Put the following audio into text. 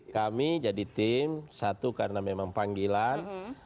kami jadi tim satu karena memang panggilan